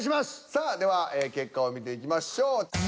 さあでは結果を見ていきましょう。